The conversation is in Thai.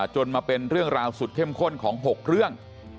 จนมาเป็นเรื่องราวสุดเข้มข้นของ๖เรื่อง